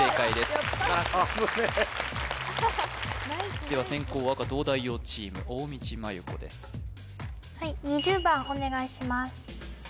よかった危ねえナイスナイスでは先攻赤東大王チーム大道麻優子ですはい２０番お願いします